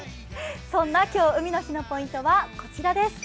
そんな今日、海の日のポイントは、こちらです。